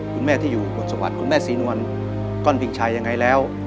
คุณแม่ที่อยู่บนชะวันคุณแม่สีนวันก้อนพิงชัยยังไงแล้ว